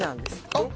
えっ？